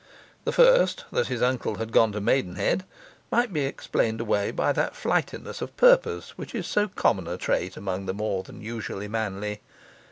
The first, that his uncle had gone to Maidenhead, might be explained away by that flightiness of purpose which is so common a trait among the more than usually manly.